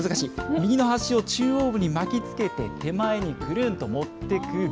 右の端を中央部に巻きつけて、手前にくるんと持ってくる。